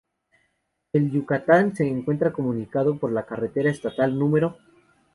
El Yucatán se encuentra comunicado por la carretera estatal No.